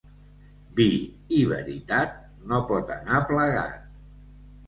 Vi i veritat no pot anar plegat.